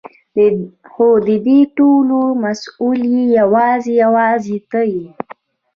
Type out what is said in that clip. خو ددې ټولو مسؤل يې يوازې او يوازې ته يې.